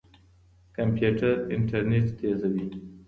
کمپيوټر انټرنيټ تېزوي.